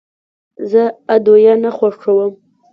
زه ادویه نه خوښوم.